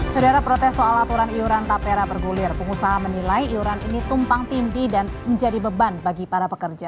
sedara protes soal aturan iuran tapera bergulir pengusaha menilai iuran ini tumpang tindih dan menjadi beban bagi para pekerja